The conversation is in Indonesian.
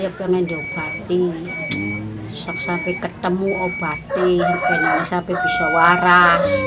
obatin sampai ketemu obatin sampai bisa waras